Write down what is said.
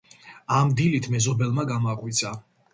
ამ დილით მეზობელმა გამაღვიძა.